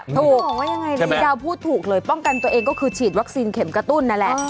เขาบอกว่ายังไงดีดาวพูดถูกเลยป้องกันตัวเองก็คือฉีดวัคซีนเข็มกระตุ้นนั่นแหละ